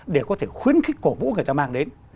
để có thể khuyến khích cổ vũ người ta mang đến